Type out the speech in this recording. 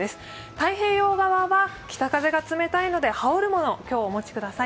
太平洋側は、北風が冷たいので羽織るものを今日はお持ちください。